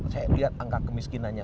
saya lihat angka kemiskinannya